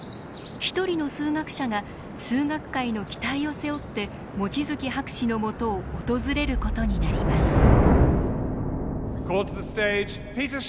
一人の数学者が数学界の期待を背負って望月博士のもとを訪れることになります。